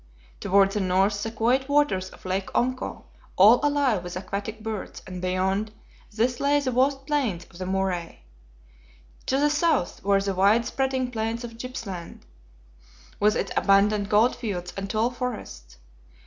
Toward the north the quiet waters of Lake Omco, all alive with aquatic birds, and beyond this lay the vast plains of the Murray. To the south were the wide spreading plains of Gippsland, with its abundant gold fields and tall forests.